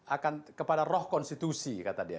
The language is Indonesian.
akan kepada roh konstitusi kata dia